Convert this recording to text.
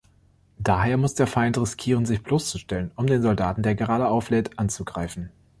Daher muss der Feind riskieren, sich bloßzustellen, um den Soldaten, der gerade auflädt, anzugreifen.